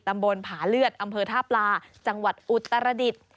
ตำบลผาเลือดอำเภอท่าปลาจังหวัดอุตรดิษฐ์